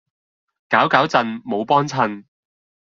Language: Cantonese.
攪攪震，冇幫襯